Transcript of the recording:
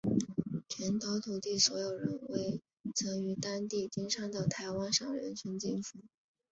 全岛土地所有人为曾于当地经商的台湾商人陈进福。